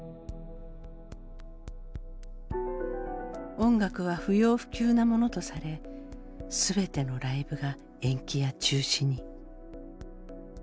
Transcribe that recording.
音楽は不要不急なものとされ全てのライブが延期や中止に。